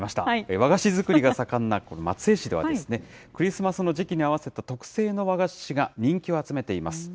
和菓子作りが盛んな松江市ではですね、クリスマスの時期に合わせた特製の和菓子が人気を集めています。